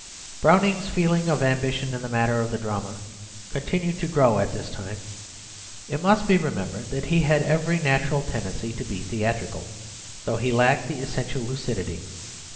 Browning's feeling of ambition in the matter of the drama continued to grow at this time. It must be remembered that he had every natural tendency to be theatrical, though he lacked the essential lucidity.